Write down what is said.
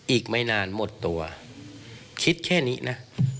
อีกไม่นานหมดตัวคิดแค่นี้นะ